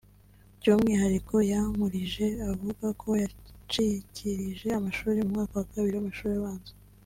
By’umwihariko Yankurije avuga ko yacikishirije amashuri mu mwaka wa kabiri w’amashuri abanza